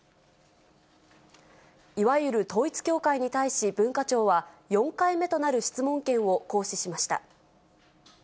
いわゆる統一教会に対し、文化庁は、４回目となる質問権を行使しました。